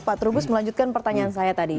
pak trubus melanjutkan pertanyaan saya tadi